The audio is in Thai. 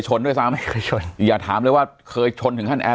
ด้วยซ้ำไม่เคยชนอย่าถามเลยว่าเคยชนถึงขั้นแอร์